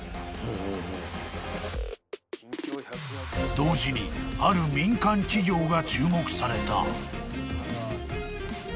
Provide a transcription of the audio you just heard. ［同時にある民間企業が注目された］